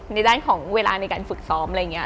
ในด้านของเวลาในการฝึกซ้อมอะไรอย่างนี้